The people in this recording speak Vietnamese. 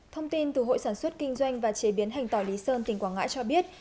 thông tin từ hội sản xuất kinh doanh và chế biến hành tỏi lý sơn tỉnh quảng ngãi cho biết